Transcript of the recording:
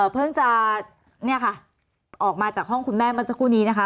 เพิ่งจะเนี่ยค่ะออกมาจากห้องคุณแม่เมื่อสักครู่นี้นะคะ